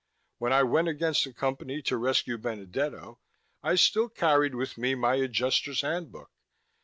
When I went against the Company to rescue Benedetto, I still carried with me my Adjusters' Handbook.